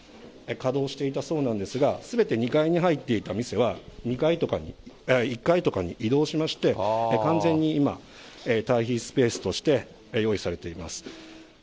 稼働していたそうなんですが、すべて２階に入っていた店は、１階とかに移動しまして、完全に今、退避スペースとして、用意されています。